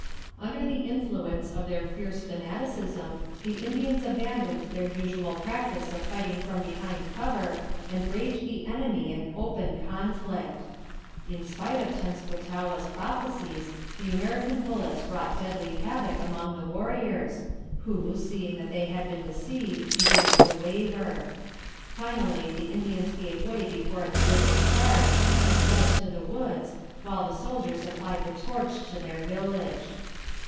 Under the influence of their fierce fanaticism the Indians abandoned their usual practice of fighting from behind cover, and braved the enemy in open conflict. In spite of Tenskwatawa's prophecies, the American bullets wrought deadly havoc among the warriors, who, seeing that they had been deceived, began to waver. Finally, the Indians gave way before a terrific charge and fled to the woods, while the soldiers applied the torch to their village.